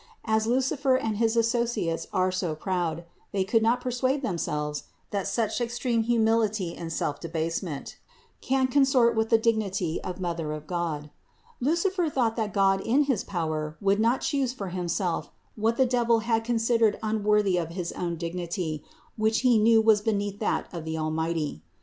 As Lucifer and his associates are so proud, they could not persuade themselves that such extreme humility and self debase ment can consort with the dignity of Mother of God. Lucifer thought that God in his power would not choose for Himself what the devil had considered unworthy of his own dignity, which he knew was beneath that of the Almighty.